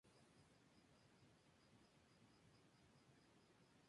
El convertidor es un horno giratorio en forma de retorta, de cuello ancho.